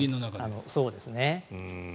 そうですね。